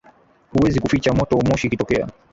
Huwezi kuficha moto moshi ikitokea